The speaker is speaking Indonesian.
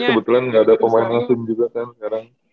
terus kebetulan gak ada pemain langsung juga kan sekarang